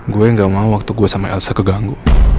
gue yang gak mau waktu gue sama elsa keganggu